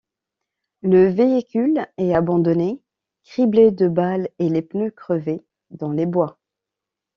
Le véhicule est abandonné, criblé de balles et les pneus crevés, dans les bois.